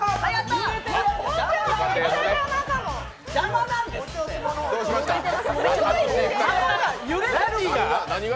邪魔なんですって。